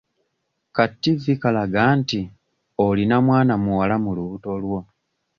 Ka ttivi kalaga nti olina mwana muwala mu lubuto lwo.